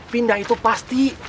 pindah itu pasti